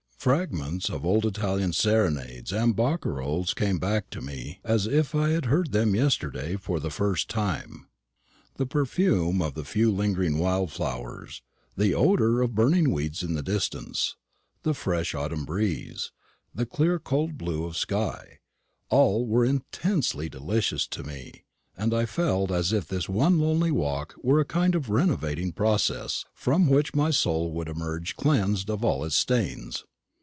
Fragments of old Italian serenades and barcarolles came back to me as if I had heard them yesterday for the first time. The perfume of the few lingering wild flowers, the odour of burning weeds in the distance, the fresh autumn breeze, the clear cold blue sky, all were intensely delicious to me; and I felt as if this one lonely walk were a kind of renovating process, from which my soul would emerge cleansed of all its stains.